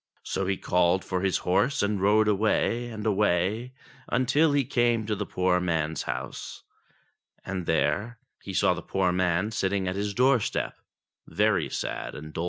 So he called for his horse and rode away, and away, until he came to the poor man's house, and there he found the poor man sitting at his doorstep very sad and doleful.